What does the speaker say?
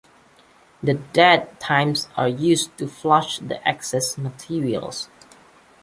The dead times are used to flush the excess material.